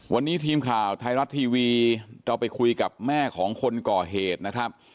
วันนี้ทีมข่าวไทยรัฐทีวีเราไปคุยกับแม่ของคนก่อเหตุนะครับ